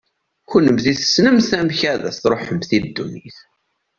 Kennemti tessnemt amek ad as-tṛuḥemt i ddunit.